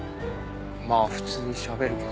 まぁ普通にしゃべるけど。